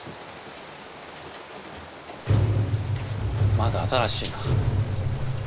まだ新しいな。